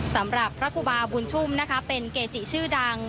สำหรับพระครูบาบุญชุ่มนะคะเป็นเกจิชื่อดัง